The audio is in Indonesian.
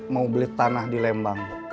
mau beli tanah di lembang